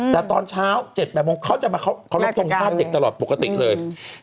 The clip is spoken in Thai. แต่ตอนเช้า๗๘โมงเขาจะมาเคารพทรงชาติเด็กตลอดปกติเลย